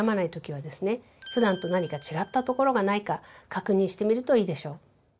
普段と何か違ったところがないか確認してみるといいでしょう。